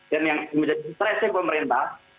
dan yang menjadi stresnya pemerintah